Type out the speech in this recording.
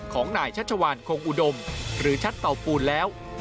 ของนายชัชวานคงอุดมหรือชัดเตาปูนแล้ว